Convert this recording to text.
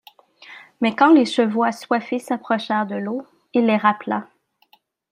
Mais quand les chevaux assoiffés s'approchèrent de l'eau, il les rappela.